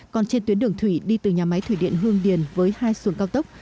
còn trên tuyến đường thủy đi từ nhà máy thủy điện hương điền với hai xuồng cao tốc